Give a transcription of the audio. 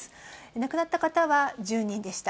亡くなった方は１０人でした。